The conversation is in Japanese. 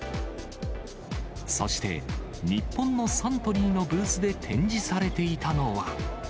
そして、日本のサントリーのブースで展示されていたのは。